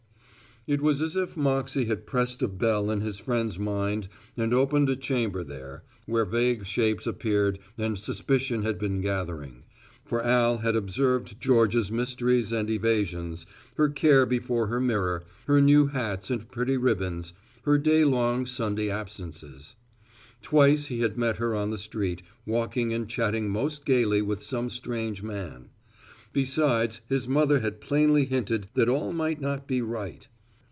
It was as if Moxey had pressed a bell in his friend's mind and opened a chamber there, where vague shapes appeared and suspicion had been gathering. For Al had observed Georgia's mysteries and evasions, her care before her mirror, her new hats and pretty ribbons, her day long Sunday absences. Twice he had met her on the street, walking and chatting most gayly with some strange man. Besides his mother had plainly hinted that all might not be right.